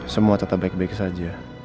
semua tetap baik baik saja